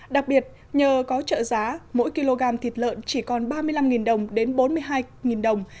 đặc biệt nhờ có trợ giá mỗi kg thịt lợn chỉ còn ba mươi năm đồng đến bốn mươi hai đồng